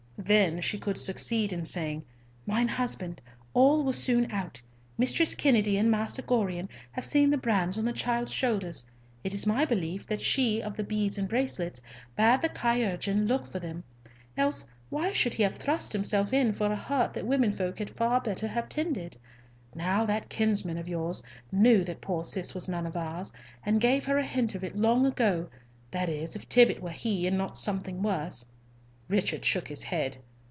Then she could succeed in saying, "Mine husband, all will soon out—Mistress Kennedy and Master Gorion have seen the brands on the child's shoulders. It is my belief that she of the 'beads and bracelets' bade the chirurgeon look for them. Else, why should he have thrust himself in for a hurt that women folk had far better have tended? Now, that kinsman of yours knew that poor Cis was none of ours, and gave her a hint of it long ago—that is, if Tibbott were he, and not something worse." Richard shook his head.